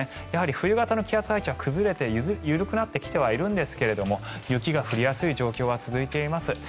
やはり冬型の気圧配置は崩れて緩くなってはきているんですが雪が降りやすい状況は続いています。